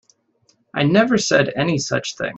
I never said any such thing.